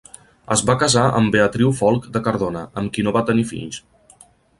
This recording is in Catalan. Es va casar amb Beatriu Folc de Cardona, amb qui no va tenir fills.